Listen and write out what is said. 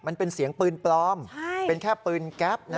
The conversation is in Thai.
มันเป็นเสียงปืนปลอมเป็นแค่ปืนแก๊ป